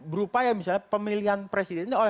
berupa ya misalnya pemilihan presiden